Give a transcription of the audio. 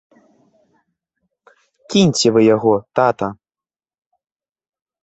Кіньце вы яго, тата!